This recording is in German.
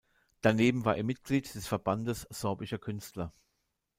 Daneben war er Mitglied des Verbandes sorbischer Künstler.